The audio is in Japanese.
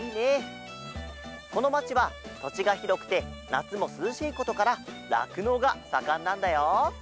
このまちはとちがひろくてなつもすずしいことかららくのうがさかんなんだよ。